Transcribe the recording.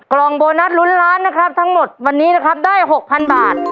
กล่องโบนัสลุ้นล้านนะครับทั้งหมดวันนี้นะครับได้๖๐๐๐บาท